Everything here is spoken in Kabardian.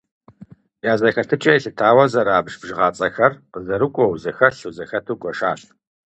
Я зэхэтыкӀэ елъытауэ зэрабж бжыгъэцӀэхэр къызэрыкӀуэу, зэхэлъу, зэхэту гуэшащ.